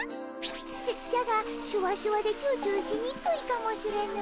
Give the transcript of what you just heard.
じゃじゃがシュワシュワでチューチューしにくいかもしれぬ。